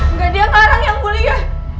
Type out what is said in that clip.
enggak dia ngarang yang boleh ya